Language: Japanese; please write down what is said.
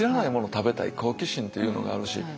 食べたい好奇心っていうのがあるし。